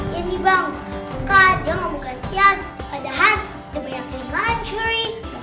iya nih bang bukanya dia gak mau gantian padahal dia punya krim mancurin